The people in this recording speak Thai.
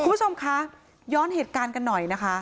คุณผู้ชมคะย้อนเหตุการณ์กันหน่อยนะคะ